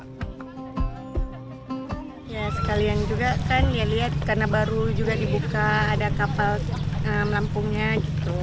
ya sekalian juga kan ya lihat karena baru juga dibuka ada kapal melampungnya gitu